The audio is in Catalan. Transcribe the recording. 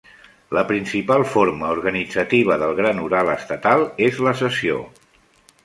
La principal forma organitzativa del Gran Hural Estatal és la sessió.